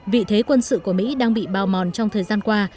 vị thế quân sự của mỹ đang bị bao mòn trong thời gian qua